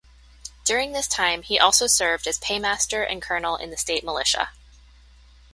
During this time he also served as paymaster and colonel in the state militia.